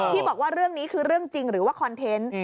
ที่บอกว่าเรื่องนี้คือเรื่องจริงหรือว่าคอนเทนต์